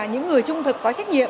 những người trung thực có trách nhiệm